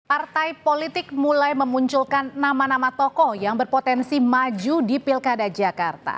partai politik mulai memunculkan nama nama tokoh yang berpotensi maju di pilkada jakarta